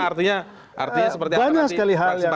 artinya seperti apa